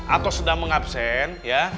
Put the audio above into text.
atau sedang mengabsen ya